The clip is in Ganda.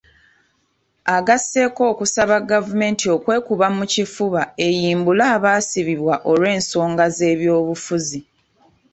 Agasseeko okusaba gavumenti okwekuba mu kifuba eyimbule abaasibibwa olw'ensonga z'ebyobufuzi.